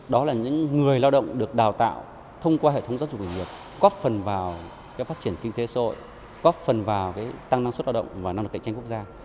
đó là những người lao động được đào tạo thông qua hệ thống giáo dục nghề nghiệp góp phần vào phát triển kinh tế xã hội góp phần vào tăng năng suất lao động và năng lực cạnh tranh quốc gia